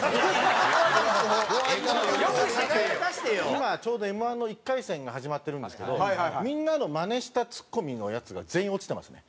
今ちょうどＭ−１の１回戦が始まってるんですけどみんなのマネしたツッコミのヤツが全員落ちてますね。